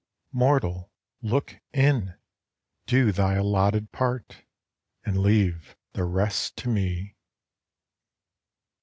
SPIRIT Mortal, look in. Do thy allotted part, And leave the rest to ME.